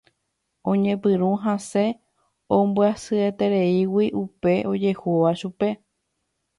Oñepyrũ hasẽ ombyasyetereígui upe ojehúva chupe.